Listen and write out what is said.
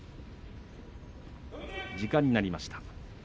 時間になりました。